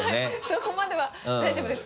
そこまでは大丈夫です。